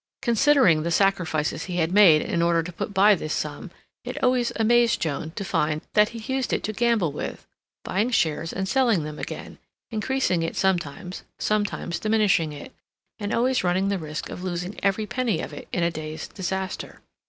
Considering the sacrifices he had made in order to put by this sum it always amazed Joan to find that he used it to gamble with, buying shares and selling them again, increasing it sometimes, sometimes diminishing it, and always running the risk of losing every penny of it in a day's disaster.